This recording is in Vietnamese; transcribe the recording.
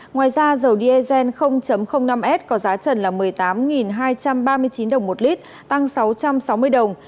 ngoài ra dầu diesel năm s có giá trần là một mươi tám hai trăm ba mươi chín đồng một lít tăng sáu trăm sáu mươi đồng